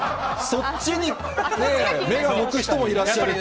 そっちに、ね、目が向く人もいらっしゃると。